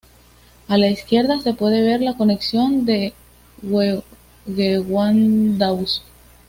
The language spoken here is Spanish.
A la izquierda se puede ver la conexión al Gewandhaus.